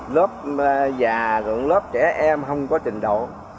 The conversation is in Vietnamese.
lớp già dựng lớp trẻ em không có trình độ